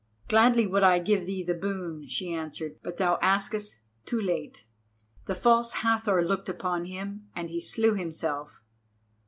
"Gladly would I give thee the boon," she answered, "but thou askest too late. The False Hathor looked upon him, and he slew himself.